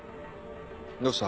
どうした？